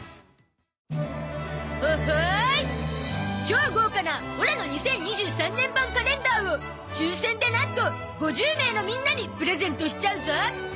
超豪華なオラの２０２３年版カレンダーを抽選でなんと５０名のみんなにプレゼントしちゃうゾ